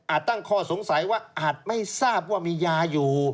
ตั้งข้อสงสัยว่าอาจไม่ทราบว่ามียาอยู่